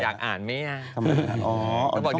อยากอ่านมั้ยค่ะ